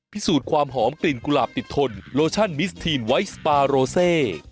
พิสูจน์ความหอมกลิ่นกุหลาบติดทนโลชั่นมิสทีนไวท์สปาโรเซ